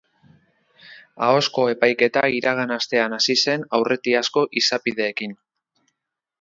Ahozko epaiketa iragan astean hasi zen aurretiazko izapideekin.